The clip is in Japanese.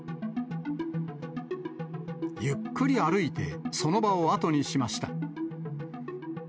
ゆっくり歩いてその場を後にしました。